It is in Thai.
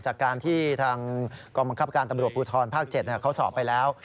จากการที่ทางกองบังคับการตำรวจภูทรภาค๗เขาสอบไปแล้ว